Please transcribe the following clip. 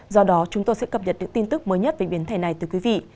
do đó chúng tôi sẽ cập nhật những tin tức mới nhất về biến thể này từ quý vị